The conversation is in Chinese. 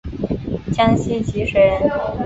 江西吉水人。